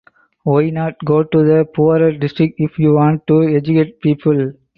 Why not go to the poorer districts if you want to educate people?